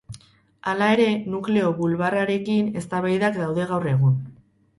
Hala ere, nukleo bulbarrarekin eztabaidak daude gaur egun.